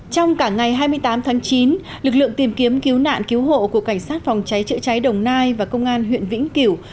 trong cả ngày hai mươi tám tháng chín lực lượng tìm kiếm cứu nạn cứu hộ của cảnh sát phòng cháy chữa cháy đồng nai và công an huyện vĩnh kiểu